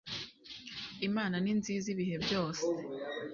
Imana n i nziza ibihe byose